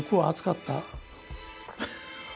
「熱かった」？